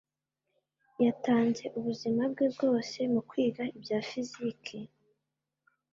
yatanze ubuzima bwe bwose mukwiga ibya fiziki.